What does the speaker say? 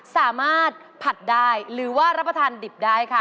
สัมผัสได้หรือว่ารับประทานดิบได้ค่ะ